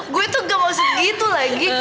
gue itu gak mau segitu lagi